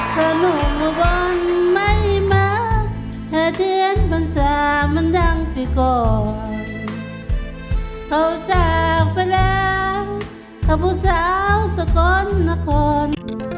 ก็พูดสะอาวสะกอนนะกอน